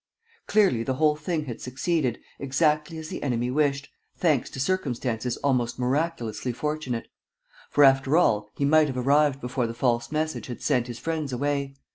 Clearly, the whole thing had succeeded, exactly as the enemy wished, thanks to circumstances almost miraculously fortunate; for, after all, he might have arrived before the false message had sent his friends away.